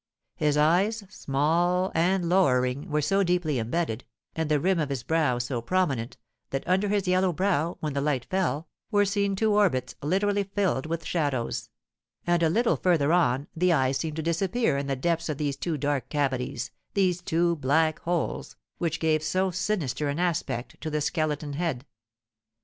His eyes, small and lowering, were so deeply imbedded, and the rim of his brow so prominent, that under his yellow brow, when the light fell, were seen two orbits literally filled with shadows; and, a little further on, the eyes seemed to disappear in the depths of these two dark cavities, these two black holes, which gave so sinister an aspect to the skeleton head.